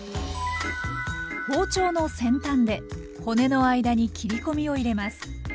包丁の先端で骨の間に切り込みを入れます。